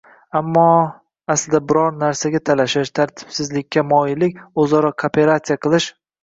Ammo... aslida biron narsaga talashish, tartibsizlikka moyillik – o‘zaro kooperatsiya qilish